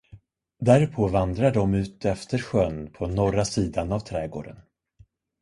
Därpå vandrar de utefter sjön på norra sidan av trädgården.